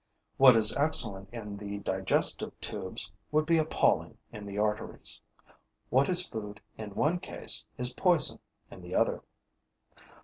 What is excellent in the digestive tubes would be appalling in the arteries. What is food in one case is poison in the other.